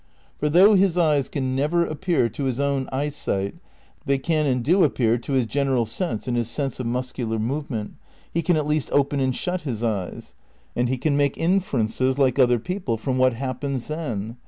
For though his eyes can never appear to his own eyesight they can and do appear to his general sense and his sense of muscular movement. He can at least open and shut his eyes. And he can make inferences, like other people, from what happens then.